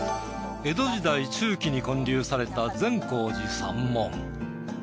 江戸時代中期に建立された善光寺山門。